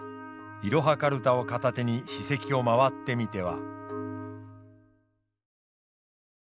いろはかるたを片手に史跡を回ってみては。